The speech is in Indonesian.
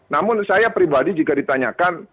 namun saya pribadi jika ditanyakan